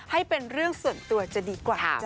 ให้เป็นเรื่องส่วนตัวจะดีกว่าจ้